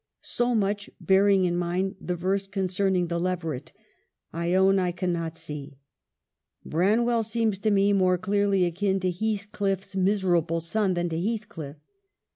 So much, bearing in mind the verse concerning the leveret, I own I cannot see. Branwell seems to me more nearly akin to HeathclhTs miserable son than to Heathcliff.